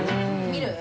見る？